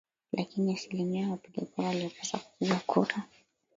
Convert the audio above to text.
lakini asilimia ya wapiga kura waliopaswa kupiga kura